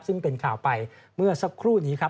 ซึ่งเป็นข่าวไปเมื่อสักครู่นี้ครับ